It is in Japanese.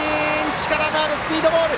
力のあるスピードボール！